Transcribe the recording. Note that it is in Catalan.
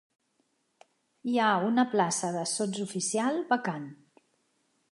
Hi ha una plaça de sotsoficial vacant.